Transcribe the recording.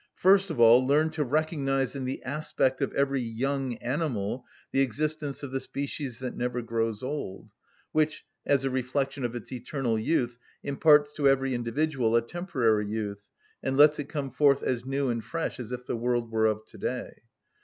First of all, learn to recognise in the aspect of every young animal the existence of the species that never grows old, which, as a reflection of its eternal youth, imparts to every individual a temporary youth, and lets it come forth as new and fresh as if the world were of to‐day.